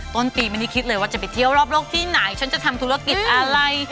ต้นปีไม่ได้คิดเลยว่าจะไปเที่ยวรอบโลกที่ไหนฉันจะทำธุรกิจอะไร